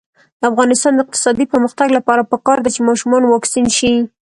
د افغانستان د اقتصادي پرمختګ لپاره پکار ده چې ماشومان واکسین شي.